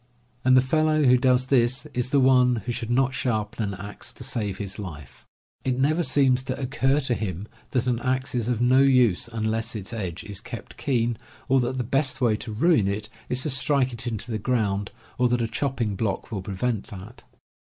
And the fellow who does this is the one who could not sharpen an axe to save his life. It never seems to occur to him that an axe is of no use unless its edge is kept keen, or that the best way to ruin it is to strike it into the ground, or that a chopping block will prevent that.